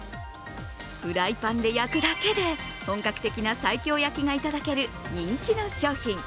フライパンで焼くだけで本格的な西京焼きがいただける人気の商品。